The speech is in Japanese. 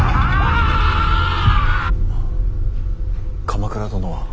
鎌倉殿は。